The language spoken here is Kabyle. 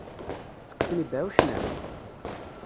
Tteqqsen yibeɛɛucen-a?